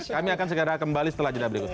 kami akan segera kembali setelah jadwal berikutnya